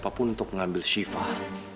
aku akan berusaha untuk mengambil sifah